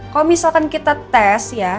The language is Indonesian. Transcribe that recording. kalau misalkan kita tes ya